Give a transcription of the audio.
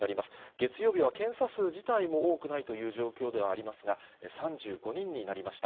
月曜日は検査数自体も多くないという状況ではありますが、３５人になりました。